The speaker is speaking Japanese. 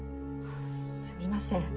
すみません。